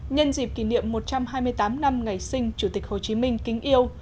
nhân dịp kỷ niệm một trăm hai mươi tám năm ngày sinh chủ tịch hồ chí minh kính yêu